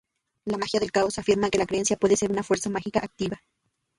La magia del caos afirma que la Creencia puede ser una fuerza mágica activa.